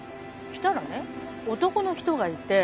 来たらね男の人がいて。